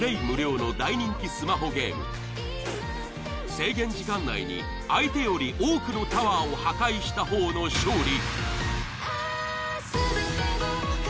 制限時間内に相手より多くのタワーを破壊したほうの勝利。